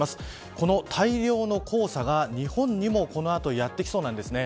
この大量の黄砂が日本にもこの後やってきそうなんですね。